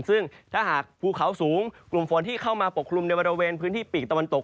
ซึ่งถ้าหากภูเขาสูงกลุ่มฝนที่เข้ามาปกคลุมในบริเวณพื้นที่ปีกตะวันตก